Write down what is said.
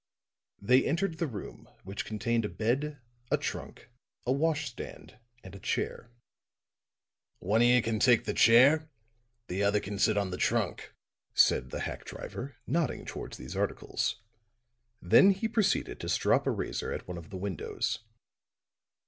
They entered the room, which contained a bed, a trunk, a wash stand, and a chair. "One of you can take the chair; the other can sit on the trunk," said the hack driver, nodding toward these articles. Then he proceeded to strop a razor at one of the windows.